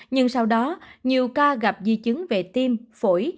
nhưng sau đó nhiều ca gặp di chứng về tim phổi